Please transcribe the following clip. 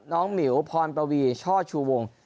น้องหมิ๋วพรปวีช่อชูวง